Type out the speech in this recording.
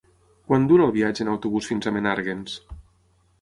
Quant dura el viatge en autobús fins a Menàrguens?